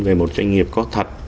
về một doanh nghiệp có thật